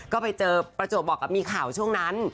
ก็ไปเจอประจวบบอกกับมีข่าวช่วงนั้น